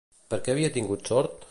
Per què havia tingut sort?